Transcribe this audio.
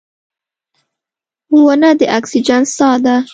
• ونه د اکسیجن ساه ده.